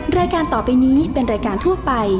แม่บ้านปัจจันทร์บ้าน